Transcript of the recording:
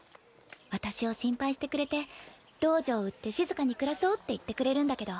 私を心配してくれて道場を売って静かに暮らそうって言ってくれるんだけど。